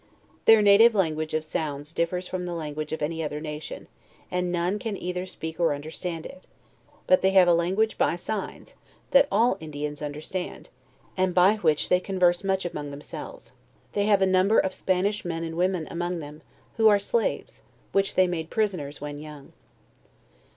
Their native language of sounds differs from the language of any other nation, and none can either speak or understand it; but they have a lan guage by signs, that all Indians understand, and by which they converse much among themselves. They have a num ber of Spanish men and women among them, who are slaves, which they made prisoners when young.